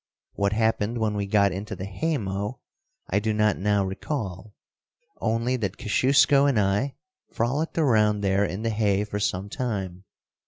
What happened when we got into the haymow I do not now recall, only that Kosciusko and I frolicked around there in the hay for some time.